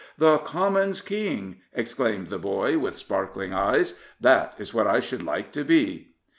''The Commons' King," exclaimed the boy, with sparkling eyes, '' that is what I should like to be.